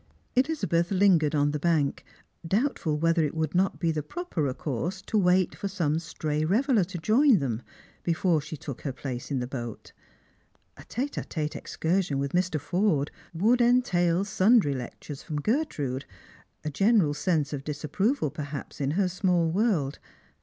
Elizabeth lingered on the bank, doubtful whether it would not be the properer course to wait for some stray reveller to join them before she took her place in the boat. A tcte d tete excursion with Mr. Forde would entail sundry lectures from Gertrude, a general sense of disapproval perhaps in her small world.